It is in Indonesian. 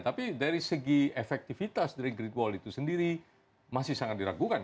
tapi dari segi efektivitas dari greatball itu sendiri masih sangat diragukan